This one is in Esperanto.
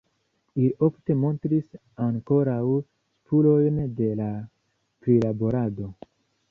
Ili ofte montris ankoraŭ spurojn de la prilaborado.